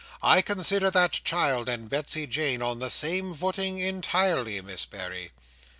I consider that child and Betsey Jane on the same footing entirely, Miss Berry."